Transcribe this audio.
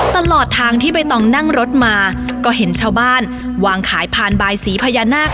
ตลอดทางที่ใบตองนั่งรถมาก็เห็นชาวบ้านวางขายผ่านบายสีพญานาค